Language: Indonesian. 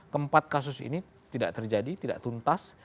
keempat kasus ini tidak terjadi tidak tuntas